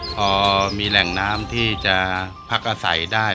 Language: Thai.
พอมีแหล่งน้ำที่จะพักอาศัยได้